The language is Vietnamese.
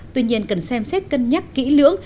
tuy nhiên cần xem xét cân nhắc kỹ lưỡng